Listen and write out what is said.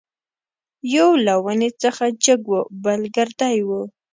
یو له ونې څخه جګ وو بل ګردی وو.